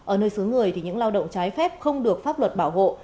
ở nơi xứ người thì những lao động trái phép không được pháp luật bảo hộ